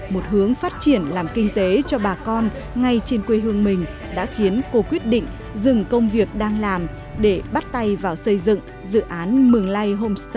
một hướng phát triển làm kinh tế cho bà con ngay trên quê hương mình đã khiến cô quyết định dừng công việc đang làm để bắt tay vào xây dựng dự án mường lây